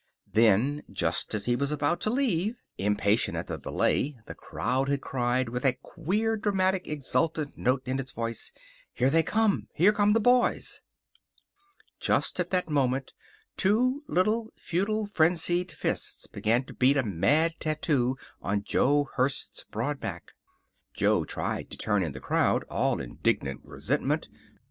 Then, just as he was about to leave, impatient at the delay, the crowd had cried, with a queer, dramatic, exultant note in its voice, "Here they come! Here come the boys!" Just at that moment two little, futile, frenzied fists began to beat a mad tattoo on Jo Hertz's broad back. Jo tried to turn in the crowd, all indignant resentment.